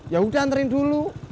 yaudah anterin dulu